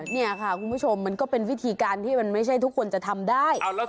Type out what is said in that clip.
นี่ค่ะคุณผู้ชมมันก็เป็นวิธีการที่มันไม่ใช่ทุกคนจะทำได้